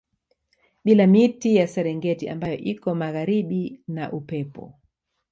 Bila miti ya Serengeti ambayo iko magharibi na Upepo